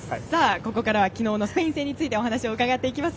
ここからは昨日のスペイン戦についてお話を伺っていきます。